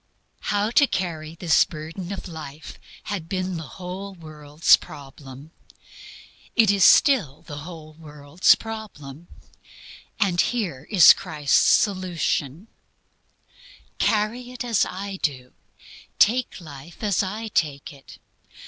How to carry this burden of life had been the whole world's problem. It is still the whole world's problem. And here is Christ's solution: "Carry it as I do. Take life as I take it.